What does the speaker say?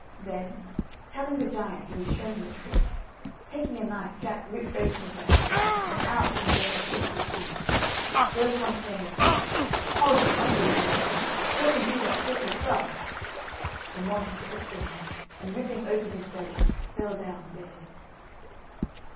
Then, telling the giant he would show him a trick, taking a knife, Jack ripped open the bag, and out came all the hasty pudding. Whereupon, saying, "Odds splutters hur nails, hur can do that trick hurself," the monster took the knife, and ripping open his belly, fell down dead.